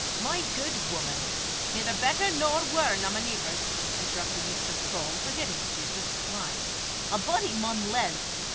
"My good woman, " "Naither better nor waur nor my neepers," interrupted Mistress Croale, forgetting what she had just implied: "a body maun live."